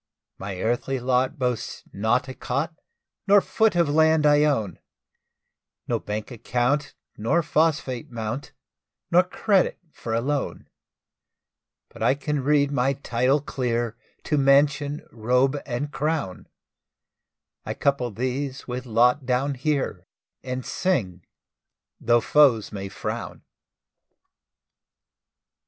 My earthly lot boasts not a cot, No foot of land I own, No bank account nor phosphate mount, Nor credit for a loan; But I can read my title clear To mansion, robe, and crown; I couple these with lot down here, And sing, tho' foes may frown.